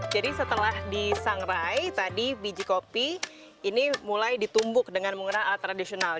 jadi setelah disangrai tadi biji kopi ini mulai ditumbuk dengan menggunakan alat tradisional